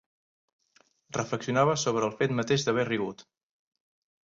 Reflexionava sobre el fet mateix d’haver rigut.